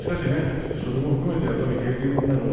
それも含めてね経験です。